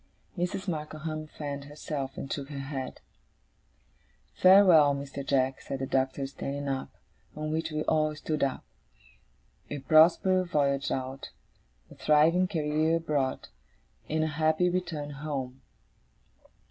Mrs. Markleham fanned herself, and shook her head. 'Farewell, Mr. Jack,' said the Doctor, standing up; on which we all stood up. 'A prosperous voyage out, a thriving career abroad, and a happy return home!